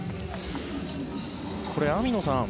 これ、網野さん